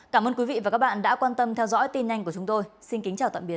cảm ơn quý vị đã quan tâm theo dõi